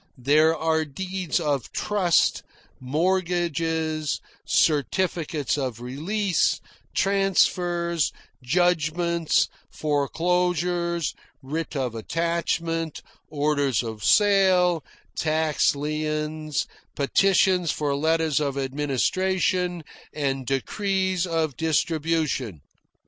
There are deeds of trust, mortgages, certificates of release, transfers, judgments, foreclosures, writs of attachment, orders of sale, tax liens, petitions for letters of administration, and decrees of distribution.